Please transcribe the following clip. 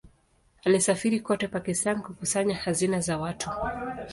Alisafiri kote Pakistan kukusanya hazina za watu.